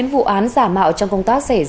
của các thành phố